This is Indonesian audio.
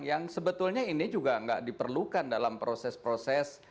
yang sebetulnya ini juga nggak diperlukan dalam proses proses